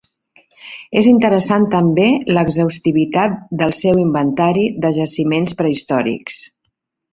És interessant també l'exhaustivitat del seu inventari de jaciments prehistòrics.